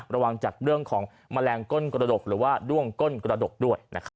ระวังจากเรื่องของแมลงก้นกระดกหรือว่าด้วงก้นกระดกด้วยนะครับ